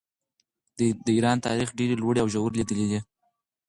د ایران تاریخ ډېرې لوړې او ژورې لیدلې دي.